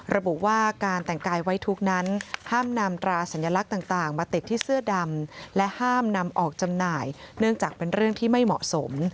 ระบุว่าการแต่งกายไว้ทุกข์นั้นห้ามนำตราสัญลักษณ์ต่างมาติดที่เสื้อดำและห้ามนำออกจำหน่ายเนื่องจากเป็นเรื่องที่ไม่เหมาะสม